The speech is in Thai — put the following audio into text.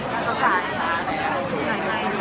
การรับความรักมันเป็นอย่างไร